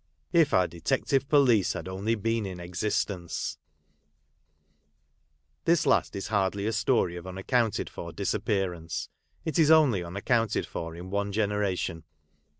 If our Detective Police had only been in existence ! This last is hardly a story of unaccounted for disappearance. It is only unaccounted for in one generation.